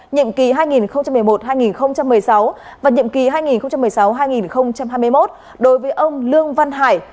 nhiệm kỳ hai nghìn một mươi một hai nghìn một mươi sáu và nhiệm kỳ hai nghìn một mươi sáu hai nghìn hai mươi một đối với ông lương văn hải